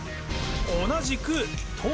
同じく「友」。